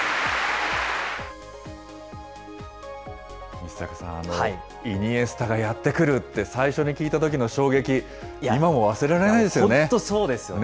西阪さん、イニエスタがやって来るって、最初に聞いたときの衝撃、本当そうですよね。